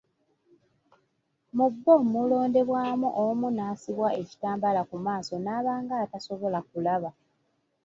Mu bo mulondebwamu omu n’asibwa ekitambaala ku maaso n’aba nga tasobola kulaba.